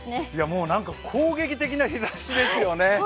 もう何か攻撃的な日ざしですよね。